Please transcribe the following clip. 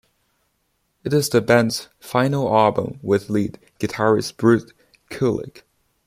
It is the band's final album with lead guitarist Bruce Kulick.